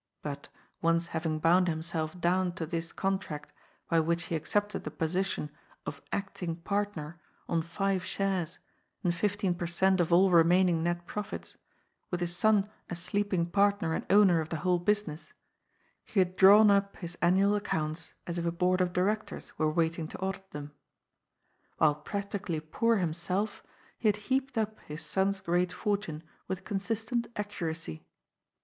But, once having bound himself down to this contract by which he accepted the position of acting partner on five shares and fifteen per cent, of all remaining net profits, with his son as sleeping partner and owner of the whole business, he had drawn up his annual accounts as if a board of directors were waiting to audit them. While practically poor himself, he had heaped up his son's great fortune with consistent accuracy.